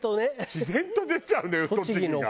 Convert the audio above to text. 自然と出ちゃうのよ栃木が。